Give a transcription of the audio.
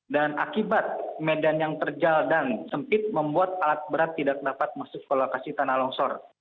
dan akibat medan yang terjal dan sempit membuat alat berat tidak dapat masuk ke lokasi tanah longsor